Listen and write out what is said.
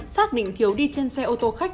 xác định thiều đi trên xe ô tô khách